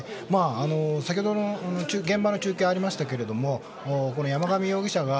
先ほどの現場の中継がありましたけれども山上容疑者が。